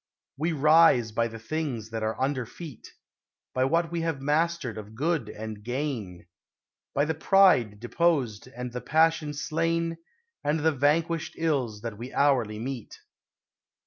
We rise by the things that are under feet; By what we have mastered of good and gain; By the pride deposed and the passion slain, And the vanquished ills that we hourly meet.